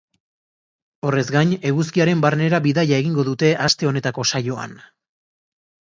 Horrez gain, eguzkiaren barnera bidaia egingo dute aste honetako saioan.